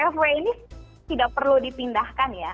fw ini tidak perlu dipindahkan ya